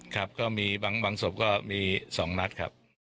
ครับก็มีบางศพก็มี๒นัดครับ